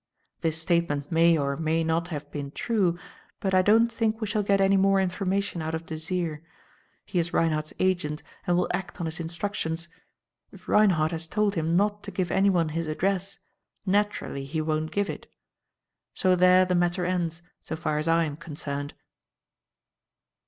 This statement may or may not have been true, but I don't think we shall get any more information out of Desire. He is Reinhardt's agent and will act on his instructions. If Reinhardt has told him not to give anyone his address, naturally he won't give it. So there the matter ends, so far as I am concerned."